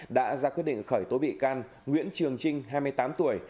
đã ra quyết định khởi tố bị can nguyễn trường trinh hai mươi tám tuổi